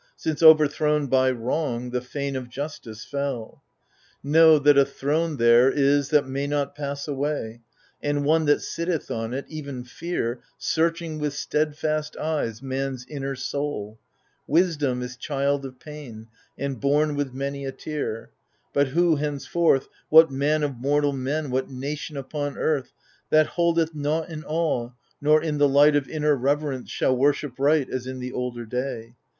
Since, overthrown by wrong, the fane of Justice fell ! Know, that a throne there is that may not pass away, And one that sitteth on it — even Fear, Searching with steadfast eyes man's inner soul : Wisdom is child of pain, and bom with many a tear ; But who henceforth, What man of mortal men, what nation upon earth. That holdeth nought in awe nor in the light Of inner reverence, shall worship Right As in the older day